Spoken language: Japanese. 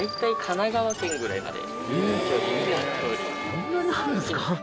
そんなにあるんですか？